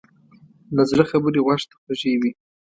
له زړه خبرې غوږ ته خوږې وي.